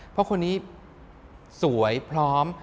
เพราะคนนี้สวยพร้อม